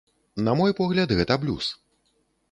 На мой погляд, гэта блюз.